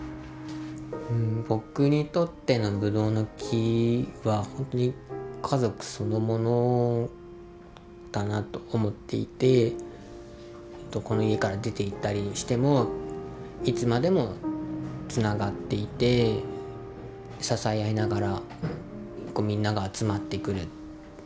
僕にとってのぶどうの木は本当に家族そのものだなと思っていてこの家から出ていったりしてもいつまでもつながっていて支え合いながらみんなが集まってくる。